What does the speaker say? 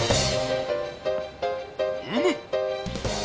うむ！